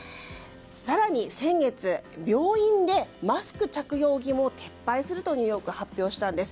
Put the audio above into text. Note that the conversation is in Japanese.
更に、先月、病院でマスク着用義務を撤廃するとニューヨーク、発表したんです。